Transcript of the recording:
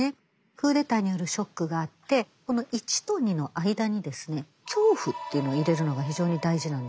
クーデターによるショックがあってこの１と２の間にですね「恐怖」というのを入れるのが非常に大事なんですね。